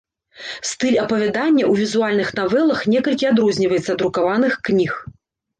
Стыль апавядання ў візуальных навелах некалькі адрозніваецца ад друкаваных кніг.